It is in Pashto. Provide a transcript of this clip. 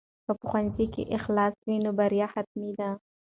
که په ښوونځي کې اخلاص وي نو بریا حتمي ده.